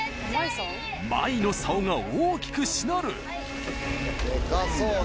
・舞の竿が大きくしなるデカそう何？